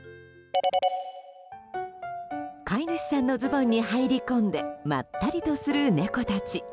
飼い主さんのズボンに入り込んでまったりとする猫たち。